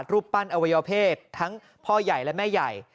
รูปปั้นอวัยวเพศทั้งพ่อใหญ่และแม่ใหญ่